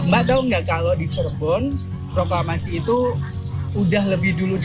mbak tau gak kalau di cirebon proklamasi itu sudah lebih dulu diumumkan